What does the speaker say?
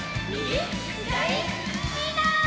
みんな！